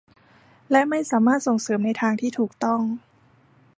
และไม่สามารถส่งเสิรมในทางที่ถูกต้อง